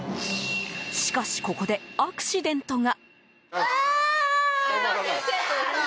しかし、ここでアクシデントが。